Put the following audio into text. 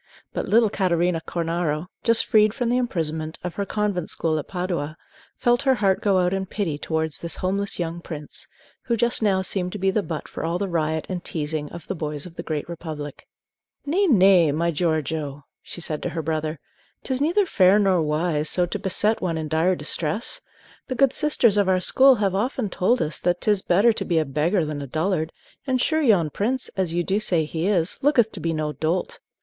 But little Catarina Cornaro, just freed from the imprisonment of her convent school at Padua, felt her heart go out in pity towards this homeless young prince, who just now seemed to be the butt for all the riot and teasing of the boys of the Great Republic. "Nay, nay, my Giorgio," she said to her brother; "'t is neither fair nor wise so to beset one in dire distress. The good sisters of our school have often told us that 't is better to be a beggar than a dullard; and sure yon prince, as you do say he is, looketh to be no dolt.